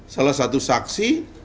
salah satu saksi